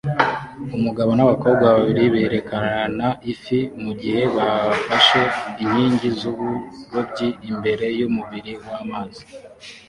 Umugabo nabakobwa babiri berekana ifi mugihe bafashe inkingi zuburobyi imbere yumubiri wamazi